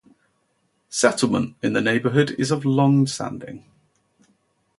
Settlement in the neighborhood is of long standing.